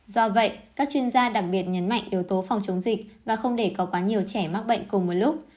do vậy các chuyên gia đặc biệt nhấn mạnh yếu tố phòng chống dịch và không để có quá nhiều trẻ mắc bệnh cùng một lúc